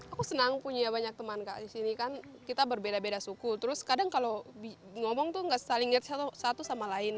aku senang punya banyak teman kak di sini kan kita berbeda beda suku terus kadang kalau ngomong tuh gak saling lihat satu sama lain